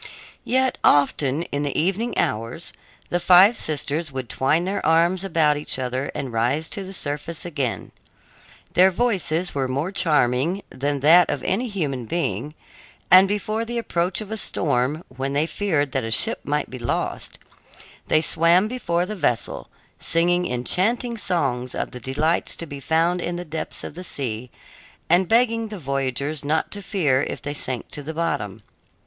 Yet often, in the evening hours, the five sisters would twine their arms about each other and rise to the surface together. Their voices were more charming than that of any human being, and before the approach of a storm, when they feared that a ship might be lost, they swam before the vessel, singing enchanting songs of the delights to be found in the depths of the sea and begging the voyagers not to fear if they sank to the bottom.